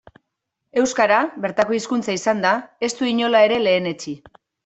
Euskara, bertako hizkuntza izanda, ez du inola ere lehenetsi.